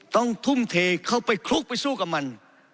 ต้องทุ่มเทเข้าไปคลุกไปสู้กับมัน